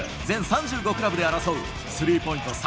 全３５クラブで争うスリーポイント